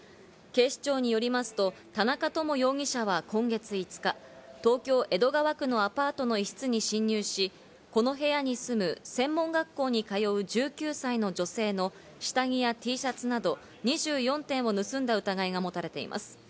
警視庁によりますと田中知容疑者は今月５日、東京・江戸川区のアパートの一室に侵入し、この部屋に住む専門学校に通う１９歳の女性の下着やＴシャツなど２４点を盗んだ疑いが持たれています。